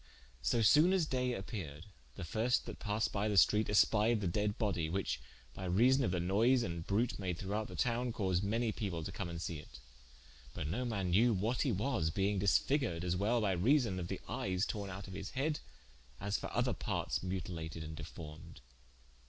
So sone as daye appeared, the firste that passed by the streate espied the dead bodie, whiche by reason of the noyse and brute made throughout the towne, caused many people to come and see it: but no man knew what he was, being disfiguered as well by reason of the eyes torne out of his head, as for other partes mutilated and deformed.